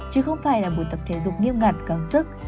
chứ không phải là buổi tập thể dục nghiêm ngặt gắng sức